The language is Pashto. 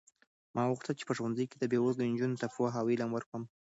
ما غوښتل چې په ښوونځي کې بې وزله نجونو ته پوهه او علم ورکړم.